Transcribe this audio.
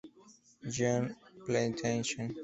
John Plantation.